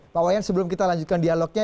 pak wayan sebelum kita lanjutkan dialognya